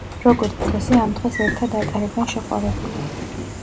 როგორც წესი, ამ დღეს ერთად ატარებენ შეყვარებულები.